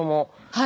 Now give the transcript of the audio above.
はい。